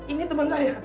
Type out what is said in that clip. ini teman saya